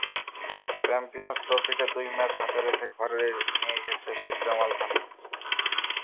Champions ট্রফিটা দুই match হাতে রেখে ঘরে নিয়ে গেছে শেখ জামাল ধানমন্ডি।